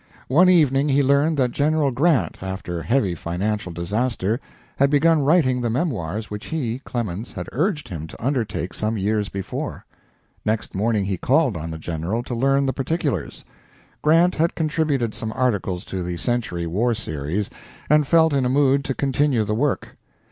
One evening he learned that General Grant, after heavy financial disaster, had begun writing the memoirs which he (Clemens) had urged him to undertake some years before. Next morning he called on the General to learn the particulars. Grant had contributed some articles to the "Century" war series, and felt in a mood to continue the work.